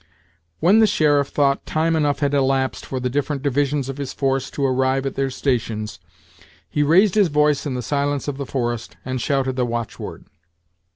When the sheriff thought time enough had elapsed for the different divisions of his force to arrive at their stations, he raised his voice in the silence of the forest, and shouted the watchword.